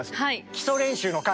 「基礎練習」の回！